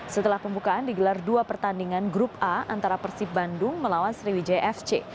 setelah pembukaan digelar dua pertandingan grup a antara persib bandung melawan sriwijaya fc